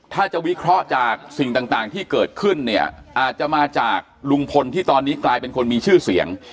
ถ้าจะวิเคราะห์จากสิ่งต่างที่เกิดขึ้นเนี่ยอาจจะมาจากลุงพลที่ตอนนี้กลายเป็นคนมีชื่อเสียง